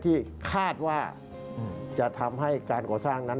ที่คาดว่าจะทำให้การก่อสร้างนั้น